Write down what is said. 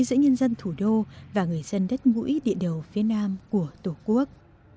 giữa nhân dân thủ đô và người dân đất mũi địa đầu phía nam của tổ quốc